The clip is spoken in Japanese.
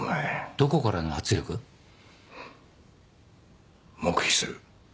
どこからの圧力？黙秘する。